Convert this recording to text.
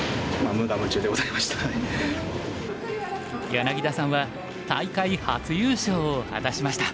柳田さんは大会初優勝を果たしました。